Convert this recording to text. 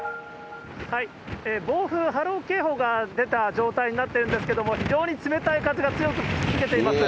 暴風波浪警報が出た状態になってるんですけれども、非常に冷たい風が強く吹きつけています。